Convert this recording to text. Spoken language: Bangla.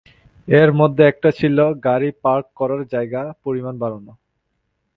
এর মধ্যে একটা ছিলো গাড়ি পার্ক করার জায়গার পরিমাণ বাড়ানো।